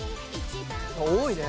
多いね。